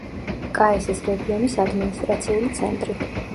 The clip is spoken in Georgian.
კაესის რეგიონის ადმინისტრაციული ცენტრი.